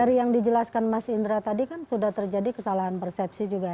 dari yang dijelaskan mas indra tadi kan sudah terjadi kesalahan persepsi juga